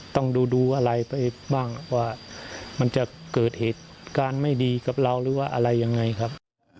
ต้องดูอะไรไปบ้างว่ามันจะเกิดเหตุการณ์ไม่ดีกับเราหรือว่าอะไรยังไงครับ